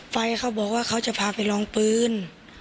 เขาบอกว่าเขาจะพาไปลองปืน